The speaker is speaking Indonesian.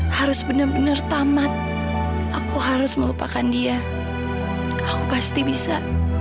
harus benar benar tamat aku harus melupakan dia aku pasti bisa